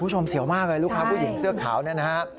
เสียวมากเลยลูกค้าผู้หญิงเสื้อขาวเนี่ยนะฮะ